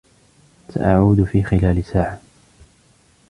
سأعود في خلال ساعة.